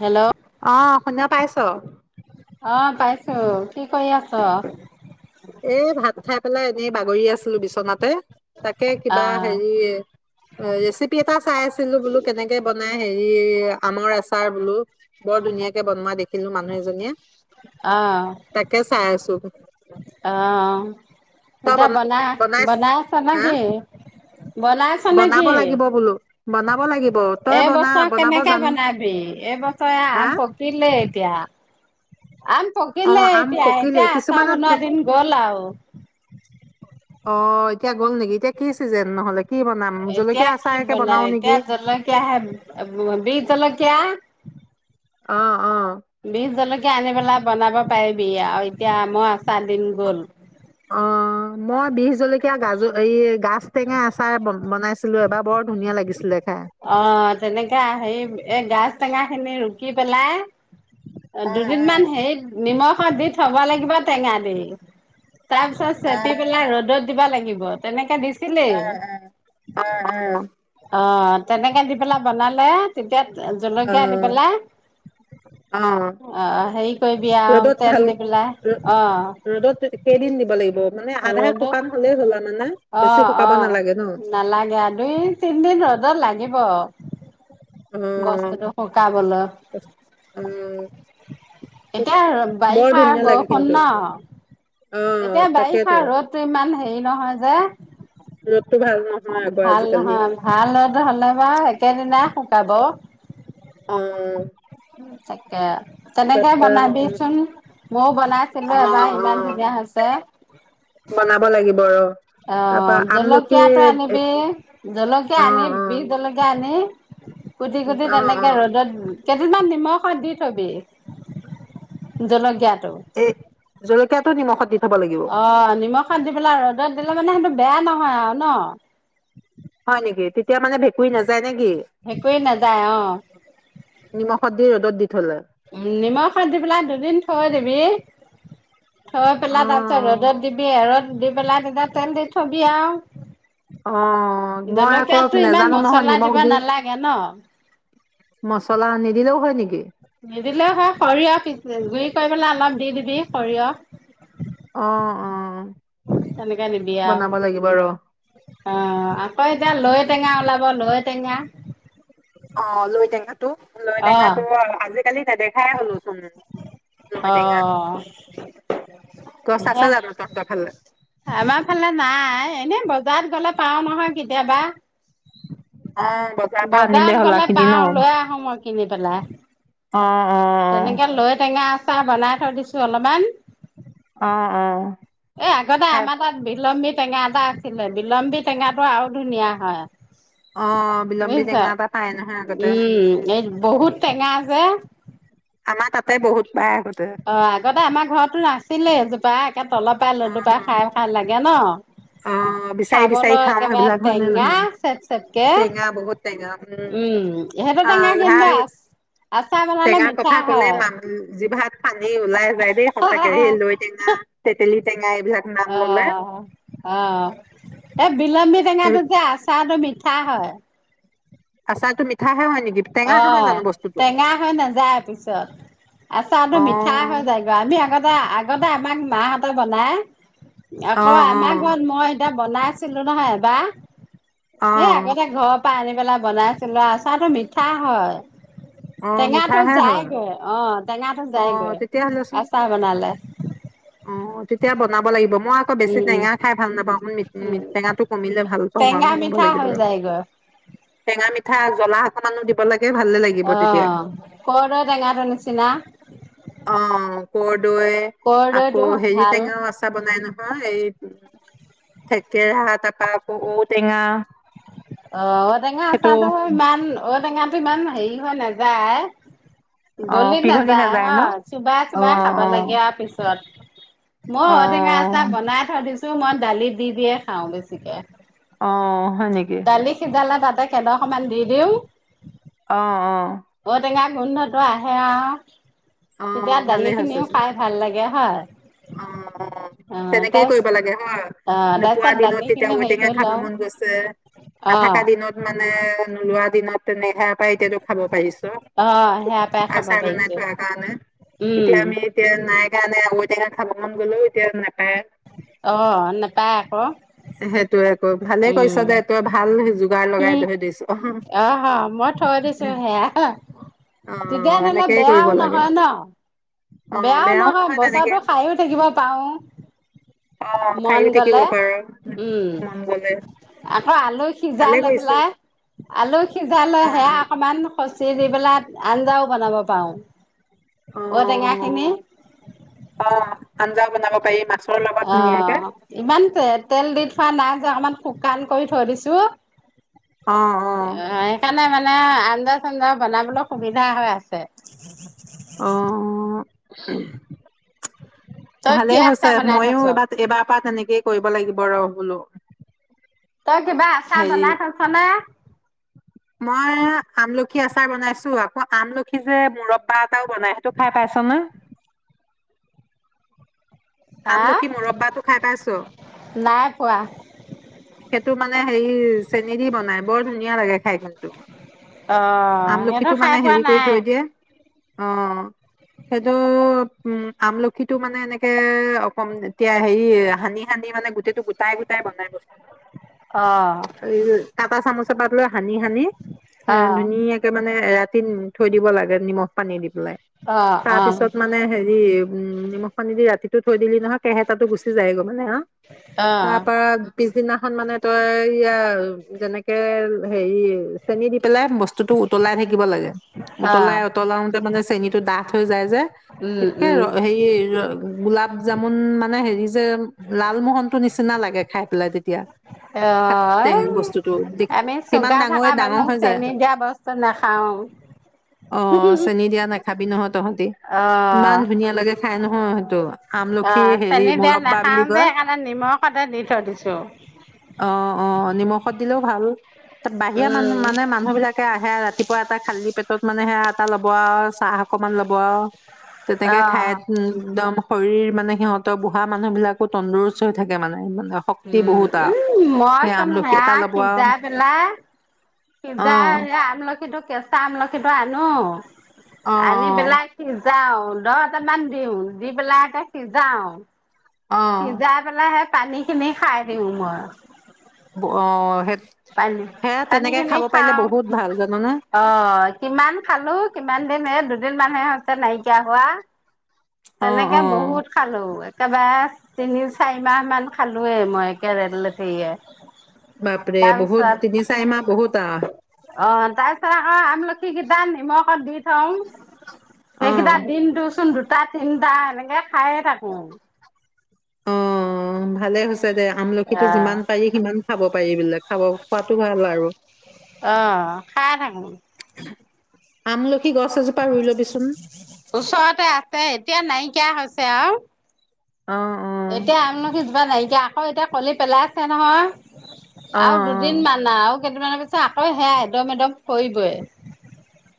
Hello অহ, শুনা পাইছ? অ পাইছো কি কৰি আছ? এ ভাত খাই পেলাই এনে বাগৰি আছিলো বিচনাতে। তাকে অ কিবা হেৰি ৰেচিপি এটা চাই আছিলো বোলো কেনেকে বনাই হেৰি আমৰ আচাৰ বোলো বৰ ধুনীয়াকে বনোৱা দেখিলো মানুহ এজনীয়ে, অ তাকে চাই আছো। অ', তই এতিয়া বনা বনাই বনাই আছ নে হা কি? বনাইছ বনাব নেকি? লাগিব বোলো বনাব লাগিব তই বনা এইবছৰ বনাব কেনেকে জান বনাবি, এইবছৰে হা আম পকিলে এতিয়া? আম অ পকিলে আম এতিয়া পকিলে এতিয়া আচাৰ কিছুমানত বনোৱা পক- দিন গ'ল আৰু। অ', এতিয়া গ'ল নেকি? এতিয়া কি চিজন নহ'লে? কি বনাম এতিয়া জলকীয়া কি আচাৰকে বনাই বনাও এতিয়া, নেকি জলকীয়া হে বিহ জলকীয়া। অ-অ। বিহ জলকীয়া আনি পেলাই বনাব পাৰিবি আৰু এতিয়া আমৰ আচাৰ দিন গ'ল। অ', মই বি জলকীয়া গাজৰ এই গাজ টেঙা আচাৰ বনাইছিলো এবাৰ, বৰ ধুনীয়া লাগিছিলে খায়। অ', তেনেকে হেৰি এ গাজ টেঙাখিনি ৰুকি পেলাই অ দুদিন মান হেই নিমখ খত দি থ'ব লাগিব টেঙা দি তাৰ পিছত অ চেপি পেলাই ৰ'দত দিব লাগিব তেনেকে দি উম উম, উম উম। অ তেনেকে দি পেলাই বনালে তেতিয়া অ জলকীয়া দি পেলাই অ অ হেৰি কৰিবি আৰু ৰ'দত তেল ভাল দি পেলাই ৰ- অ ৰ'দত কেইদিন দিব লাগিব মানে আধা শুকান হলেই হ'ল আৰু মানে ৰ'দত অ বেছি শুকাব অ নালাগে ন নালাগে দুই তিনদিন ৰ'দত লাগিব। অ বস্তুটো শুকাবলৈ অ এতিয়া বৰ বাৰিষাৰ ধুনীয়া লাগে বৰষুণ কিন্তু ন অ এতিয়া বাৰিষ তাকেতো ৰদটো ইমান হেৰি নহয় যে ৰ'দটো ভাল নহয় আকৌ ভাল আজিকালি নহয় ভাল ৰদ হলে বাৰু একেদিনাই শুকাব। অ তাকে তেনেকে তাৰপৰা উম বনাবিচোন ময়ো অ বনাইছিলো এবাৰ অ ইমান ধুনীয়া হৈছে। বনাব লাগিব ৰ অ তাৰপৰা আমলখি জলকীয়াটো এ, আনিবি জলকীয়া অ', আনিবি অ', বিহ জলকীয়া অ মানে কুটি কুটি অ', তেনেকে অ', ৰ'দত কেইদিনমান নিমখ দি থ'বি জলকীয়াত এই জলক য়াটো নিমখত দি থ'ব লাগিব অ নিমখত দি পেলাই ৰ'দত দিলে মানে সেইটো বেয়া নহয় আৰু ন হয় নেকি তেতিয়া মানে ভেঁকুই নাযায়। নে কি হেৰি কৰি নাযায় অ নিমখত দি ৰ'দ ত দি থ'লে। উ নিমখত দি পেলাই দুদিন থৈ দিবি। থৈ পেলা তাৰপিছত অ', ৰ'দত দিবি এৰদ দি পেলাই তেতিয়া তেল দি থবি আৰু অ মই আকৌ জলকীয়াতো ইমান নেজানো নহয় মছলা নিমখ দিব দি নালাগে ন। মচলা নিদিলেও হয় নেকি? নিদিলে হয় সৰিয়হ পি গুৰি কৰি পেলাই অলপ দি দিবি সৰিয়হ অ অ। তেনেকে দিবি বনাব লাগিব ৰ। আৰু অ আকৌ এতিয়া লৈ টেঙা ওলাব- লৈ টেঙা অ লৈটেঙা টো আজিকালি নেদেখাই হ'লো চোন লৈ অ টেঙা। গছ স আছে জানো তহঁতৰ ফালে? আমাৰ ফালে নাই এনে বত ত গ'লে পাও নহয় কেতিয়াবা অ', বজাৰৰ পৰা আনিলে বজাৰত হ'লা গলে কিনি ন? পাও অ', লৈ আহো মই কিনি পেলাই। অ', তেনেকে লৈ টেঙা আচাৰ বনাই দিছোঁ অলপমান অ অ এ আগতে খাই আমাৰ তাত বিলম্বিত টেঙা এটা আছিলে বিলম্বী টেঙাটো আৰু ধুনীয়া হয়। অ বিলম্বী টেঙা বুজিছা, এটা পাই নহয় আগতে উম এই বহুত টেঙা যে আমাৰ তাতে বহুত পাই আগত অ আগতে আমাৰ ঘৰতো আছিলেই পা তে তলৰ অ [unintelligible] খাই লাগে ন অ বিচাৰি বিচাৰি খাবলৈ খাওঁ একেবাৰে সেইবিলাক হয় নে টেঙা নহয় চেট-চেটকে, টেঙা বহুত টেঙা উম সেইটো অ টেঙা ঝাৰ কিন্তু আ-আচাৰ বেলালে টেঙাৰ মিঠা কথা ক'লে হয়। মান জিভাত পানী ওলাই যায় দেই সঁচাকে সেই লৈ টেঙা, তেতেলি অ, অ এ বিলম্বী এই টেঙাটো যে আচাৰটো মিঠা চা হয় আচাৰটো মিঠাহে হয় নেকি? টেঙা অ, নহয় জানো বস্তুটো টেঙা হৈ নাযায় পিছত আচাৰতো অ মিঠা হৈ যায়গৈ, আমি আগতে আগ আগতে আমাৰ মাঁহতে বনায় অ আকৌ অ আমাৰ ঘৰত মই এতিয়া বনাইছিলো নহয় এবাৰ অ হেই আগতে ঘৰত আনি পেলাই বনাইছিলো আৰু চাহো মি মিঠা হয়। অ টেঙাটো মিঠাহে হয় যাইগৈ অ টেঙাটো অ যাইগৈ, তেতিয়াহ'লেচোন আচাৰ বনালে অ, তেতিয়া বনাব লাগিব মই আকৌ বেছি উম টেঙা খাই ভাল নাপাওঁ। মি-মি উম টেঙাটো কমিলে ভাল পাওঁ আৰু টেঙা বনাব মিঠা লাগিব হৈ ৰ যায়গৈ টেঙা মিঠা, জ্বলা অকমানো দিব লাগে ভালে লাগিব তেতিয়া অহ, কৰ্দৈ টেঙাটোৰ নিচিনা। ৰ্ক ৰয় আকৌ কৰদৈটো হেৰি ভাল টেঙা আচাৰ বনাই নহয় হ এই, থেকেৰা এটা পাই আকৌ ঔ-টেঙা অ' ঔটেঙা সেইটো আচাটো ইমান, ঔটেঙা টো ইমান হেৰি হৈ নাযায় অ গলি পিঘলি নাযায় ন হয়, অ চোবাই-চোবাই খাব অ লাগে আৰু পিছত। মই অ ঔ-টেঙা আছাৰ বনাই থৈ দিছো মই দালি দি দিয়ে খাওঁ বেছিকৈ। অঁ, হয় নেকি? ডালি হিজালে তাতে কেইদখৰ মান দি দিওঁ, অঁ-অঁ। ঔটেঙা গোন্ধটো আহে আৰু। অ তেতিয়া দালি খিনিও খাই ভাল লাগে। হয়। অঁ-অঁ অ তেনেকেই তাৰ কৰিব লাগে হয়। অ নোপোৱা তাৰপিছত দিনত দালি তেতিয়া খিনি হেৰি ঔটেঙা কৰি খাব লওঁ মন গৈছে, অ। নাথকা দিনত মানে পোৱা দিনা তেনেহে এতিয়াতো খাব পাৰিছো। অ সেয়া পাই খাব আচাৰ বনাই পাৰিছো থোৱা কাৰণে। উম এতিয়া আমি এতিয়া নাই কাৰণে আ সেয়া খাব মন গ'লেও এতিয়া নাপায়। অ নোপায় আকৌ। সেইটোৱে আক, ভালেই উম কৰিছদে, তই ভাল যোগাৰ সি লগাই থৰি দিছ। অহ অ মই থৈ দিছো সেয়া তেতিয়া ধৰি লও এনেকেই কৰিব বেয়াও লাগে। নহয় ন। অহ বেয়াও নহয় তেনেকে। বছৰটো খায়ো থাকিব পাৰো অ', মন খাইয়ে থাকিব গলে পাৰ, উম', মন গ'লে আকৌ আলু সিজাই ভালে লৈ কৰিছ। পেলাই আলু- সিজাই লৈ‌ হেয়া অ', অকমান, খচি যিবিলাক আঞ্জাও বনাব পাৰো। অ'। ঔ-টেঙাখিনি, অ আঞ্জা বনাব পাৰি মাছ, অ', ইমান তেল দি, শুকান নাই যে অকমান শুকান কৰি থৈ দিছো, অ', অ সেইকাৰণে মানে, আঞ্জা-চঞ্জা বনাবলৈ সুবিধা হৈ আছে, অহ', তই ভালে কি হৈছে, আচাৰ বনাই মইও থৈছ এইবাৰ এবাৰ পৰা তেনেকে কৰিব লাগিব ৰ', বোলো। তই কিবা আচাৰ হেৰি বনাই থৈছ নে? মই, আমলখি আচাৰ বনাইছো আকৌ আমলখি যে মুৰব্বা এটাও বনাই সেইটো খাই পাইছ নে? হা আমলখি মুৰব্বাটো খাই পাইছো নাই পোৱা সেইটো মানে হেৰি চেনি দি বনাই বৰ ধুনীয়া। ধুনীয়া লাগে। ফাইগণ্টো অ সেইটো আমলখিটো মানে খাই পোৱা হেৰি কৰি নাই থৈ দিয়ে অ', সেইটো উম', আমলখিটো মানে এনেকে অকম এতিয়া হেৰি সানি- সানি মানে গোটেই- -গোটাই-গোটাই বনাই বস্তুটো। অ' তাৰ পৰা চামোচ এপাত লোৱা। সানি- সানি এ', ধুনীয়াকে মানে এৰাতিত থৈ দিব লাগে নিমখ পানী দি তাৰপিছত মানে হেৰি উম', নিমখ পানী দি ৰাতি থৈ দিলি নহ কেহা তাতো গুচি যায় গ', মানে হা ', তাৰ পৰা পি পিছদিনাখন মানে তই ইয়া যেনেকে হেৰি চেনি দি পেলাই বস্তুতটো উতলাই থাকিব লাগে, উতলাই- উতলাওতে মানে চেনীটো ডাঠ হৈ যায় যে উম ঠিকে উম হেৰী গোলাপ জামুন মানে হেৰি যে লালমোহনটো নিচিনা লাগে। খাই পেলাই তেতিয়া। খাত টেং অ', বস্তুটো আমি কিমান চুগাৰ ডাঙৰে থকা ডাঙৰ মানুহ হৈ যায় চেনি দিয়া বস্তু নাখাও। তহতি অ ইমান ধুনীয়া লাগে খাই নহয় সেইটো। অ আমলখি হেৰি চেনি দিয়া মুৰব্বা বুলি নাখাও কয় যে সেইকাৰণে নিমখতে দি থৈ দিছো। অ অ নিমখত দিলেও ভাল বাহিৰা মানুহ উম মানে মানুহ বিলাকে আহে ৰাতিপুৱা এটা খালী পেট ত মানে সে এটা ল'ব আৰু চাহ অকমান ল'ব আৰু তে তেনেকে অ খাই একদম শৰীৰ মানে সিহঁত বঢ়া মানুহ বিলাকো তন্দৰস্ত হৈ থাকে মানে শক্তি উম বহুত আৰু উম সেই মইচোন আমলখি সেয়া এটা ল'ব আৰু সিজাই পেলাই অ সিজাই সেয়া আমলখিটো কেচ আমলখিটো আনো আৰু অ আনিপেলাই সিজাও। পোন্ধ হাজাৰটা মান দিও দি পেলাইে সিজাও। অ অ সিজাই পেলাই হে পানী খিনি খাই দিওঁ মই অ সেই পানী সেয়া তেনেকে পানীখিনি খাব পাৰিলে খাও বহুত ভাল জানানে অ কিমান খালো কিমান দিন দু দুদিন মানহে হৈছে নাই কিয়া হোৱা। অ অ তেনেকে বহুত খালো। তাপা তিনি চাৰি মাহ মান খালোয়ে মই একে লেঠেৰিয়ে বাপৰে বহুত তিনি চাৰি মাহ বহুত আহ তাৰপিছত অ তাৰপিছত আকো আমলখি কেইটা নিমখ ক'ত দি থওঁ। সেইকেইটা অ দিনটোচোন দু দুটা টা তিনিটা এনেকে খায়ে থাকো অ ভালে হৈছে। দে আমলখিটো অ যিমান পাৰি সিমান খাব পাৰি বোলে খাব খোৱাতো ভাল আৰু অ খাই থাকো আমলখি গছ এজোপা ৰুই ল'বিচোন। ওচৰতে আছে এতিয়া নাইকিয়া হৈছে। তেওঁ অ। অ', এতিয়া আমলখি জোপা নাইকিয়া আকৌ এতিয়া কলি পেলাইছে নহয়। অ', আও দুদিন অ', মান আও কেইদিনানৰ পিছত আকৌ সেয়া এদম এদম সৰিবই।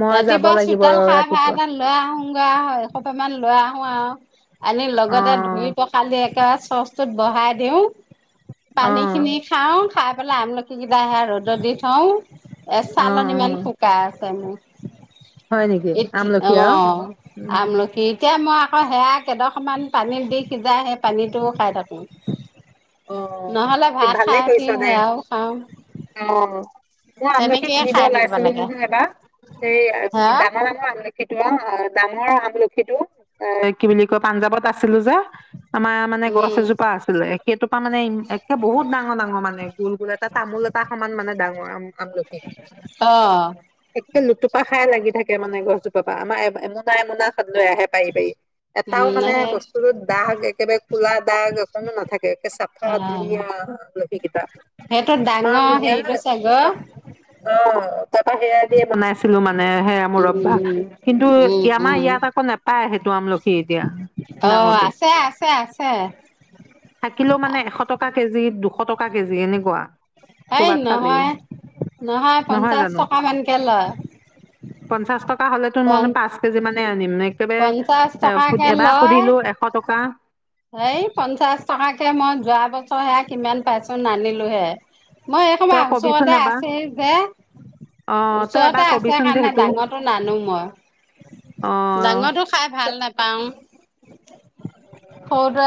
মই যাব ৰাতিপুৱা লাগিব চোতাল ৰ' সাই সাই ৰাতিপুৱা। এডাল লৈ আহোগে আও এসোপামান লৈ আহোগে অ আও। আনি লগতে ধুই অ', লি একেবাৰে চচটোত বহাই দিওঁ পানী অ', খিনি খাও খাই পেলাই আমলখি কেইটা সে ৰ'দত দি থওঁ এ অ', চালনীমান অ', শুকাই আছে মোৰ। হয় নেকি এতি আমলখি অ আৰু? উম। আমলখি এতিয়া মই আকৌ সেয়া কেইডোখমান পানীত দি সিজাই সেই পানীটো খাই থাকোঁ। অ ভালেই কৰিছ দে সেয়াও খাওঁ অ মই আমলখি তেনেকেইে কিনিব খাই থাকিব ওলাইছিলো লাগে। নহয় এবাৰ সেই হা ডাঙৰ ডাঙৰ আমলখি দামৰ আমলখি টো এ কি বুলি কয় পাঞ্জাৱত আছিলো যে আমাৰ মানে অ' গছ উম এজোপা আছিলে জোপা মানে একে বহুত ডাঙৰ ডাঙৰ মানে গোল গোল এটা তামোল এটা সমান মানে ডাঙৰম আমলখি একে লুতুপা খাই লাগি থাকে মানে গছজোপাৰ পৰা আমাৰ এমুনা এমুনা লৈ আহে পাৰি পাৰি এটাও মানে সেই বস্তুটোত দাগ একেবাৰে কোলা দাগ মানুহ নাথাকে সফা অ' ধুনিয় লহি কেইটা সেইটো ডাঙৰ ধুনিয় হেৰিটো চাগৈ অ ত পৰা সেৰা দিয় বনাইছিলো মানে মানে সেয়া মোৰৰব্বা উম কিন্তু উম আমাৰ উম ইয়াত আকৌ নোপায় সেইটো আমলখি এতিয়া ডাঙৰটো এ থাকিলেও মানে এশ টকা কেজি দুশ টকা কেজি এনেকুৱা। এই ক'ৰবাত পালেও নহয় নহয় পঞ্চাছ টকামানকে লয়। পঞ্চাশ টকা হলেতো প ময় পাঁচ কেজি মানে আনিম নে একেবাৰে পঞ্চাশ এ এবাৰ সুধিলো এশ টকা অ হেই পঞ্চাশ টকাকে মই যোৱা বছৰ হে কিমান পাইছো নানিলো হে। মই এই তই সময় কবিচোন ওচৰতে এবাৰ আছে যে অ', তই ওচৰতে এবাৰ আছে কবিচোন যে কাৰণে সেইটো ডাঙৰটো নানো মই অ'। ডাঙৰটো খাই ভাল নেপাওঁ। উ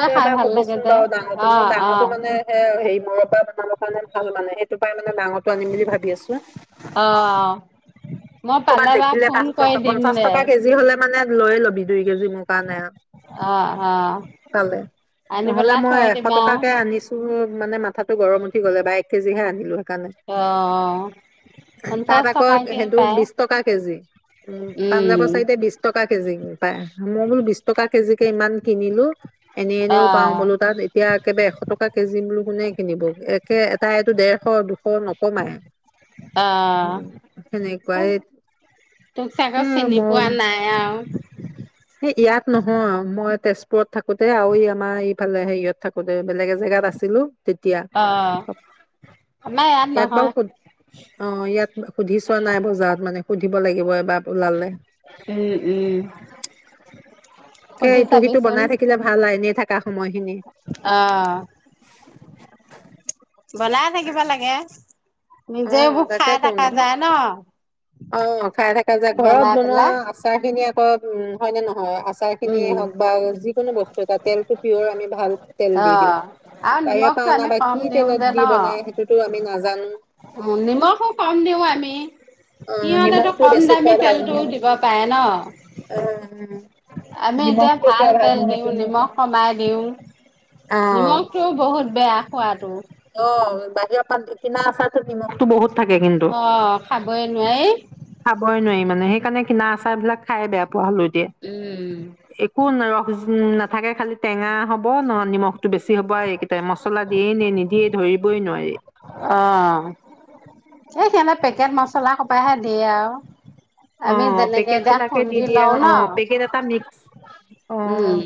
তই এবাৰ ভাল লাগে কবিচোন যে। বাৰু ডাঙৰটো মই অ', ডাঙৰটো অ', মানে সে হেৰি মৰৰ পৰা বনাব কাৰণে ভাল মানে সেইটো পাই মানে ডাঙৰটো আনিম বুলি ভাবি আছো। অ', মই ক'ৰবাত পালে বাৰু দেখিলে ফোন পাঁচ কৰি টকা দিম পঞ্চাশ দে। টকা কেজি হ'লে মানে লয়ে ল'বি দুই যে জি মোৰ কাৰণে অ', অ', আনি নহলে পেলাই মই থৈ এশ দিবা। টকাকে আনিছো মানে মাথাটো গৰম উঠি গ'লে বা এক কেজি হে আনিলো। সেইকাৰণে অ তাত পঞ্চাছ আকৌ টকাকে সেইটো পায়। বিশ টকা কেজি উ পাঞ্জাব উম, চাইটে বিশ টকা কেজি পাই মই বোলো বিশ টকা কেজি কে ইমান কিনিলো এনে এনেও পাও অ', বোলো তাত এতিয়া একেবাৰে এশ টকা কেজি বোলো কোনে কিনিব একে এটাই এইটো ডেৰশ দু নকমাই উ অ', সেনেকুৱাই তোক চাগৈ এ চিনি মই পোৱা নাই আৰু। সেই ইয়াত নহয় মই মই তেজপুৰত থাকোঁতে আৰু এই আমাৰ এইফালে হেৰিয়ত থাকোঁতে বেলেগ জেগাত আছিলোঁ। তেতিয়া অ', আমাৰ ইয়াত বাৰু নহয়। অ' ইয়াত সুধি চোৱা নাই বজাৰত মানে সুধিব লাগিব এবাৰ। ওলালে উম -উম। কে সুধি ইটো সিটো চাবিচোন। বনাই থাকিলে ভাল এনেই থাকে সময়খিনি। অ', বনাইে থাকিব লাগে। নিজে অ' এইবোৰ খাই তাকেইেতোন থকা যায় ন অ' খাই থকা যে ঘৰত বনাই বনোৱা পেলাই আচাৰ খিনি উম হয় নে নহয়? আচাৰ খিনিয়ে উম হওঁক বা যিকোনো বস্তু এটা তেলটো পিয়ৰ আমি। ভাল। তেল অ দি দিওঁ আৰু বাহিৰ নিমখটো পৰা আনা আমি বা কম কি দিওঁ তেলত যে দি ন বনাই সেইটোতো আমি নাজানো। উ নিমখো কম দিও আমি। অ সিহঁতেটো নিমখটো কম বেছি দামী খোৱা ভাল তেলটোও নহয় দিব পাৰে ন'। আমি এতিয়া নিমখটো ভাল খাই তেল নহয়তো। দিওঁ নিমখ কমাই দিওঁ অ', নিমখ টোও বহুত বেয়া খোৱাটো। অ 'বাহিৰৰ পৰা কিনা আছাৰ টোত নিমখো বহুত থাকে কিন্তু অ'খাবই নোৱাৰি। খাবই নোৱাৰি মানে সেইকাৰণে কিনা আচাৰ বিলাক। খাই বেয়া পোৱা হলো এতিয়া উম একো নাই ৰস। উম নাথাকে খালি টেঙা হ'ব ন নিমখ। বেছি হ'বই এইকেইটাই মচলা দিয়ে নে নিদিয়ে। দিয়ে ধৰিবই নোৱাৰি। অ এই সিহঁতৰ পেকেট মছলা সোপাই হে দিয়ে আৰু। আমি অ' যেনেকে পেকেট এতিয়া বিলাকে দি খুন্দি দিয়ে লওঁ ন অ' পেকেট এটা মিক্স অ'। উম